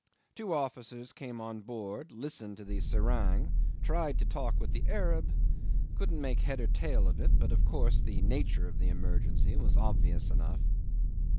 Two officers came on board, listened to the serang, tried to talk with the Arab, couldn't make head or tail of it: but of course the nature of the emergency was obvious enough.